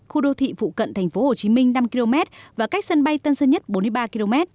khu đô thị phụ cận thành phố hồ chí minh năm km và cách sân bay tân sơn nhất bốn mươi ba km